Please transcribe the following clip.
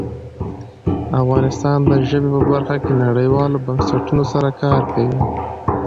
افغانستان د ژبې په برخه کې نړیوالو بنسټونو سره کار کوي.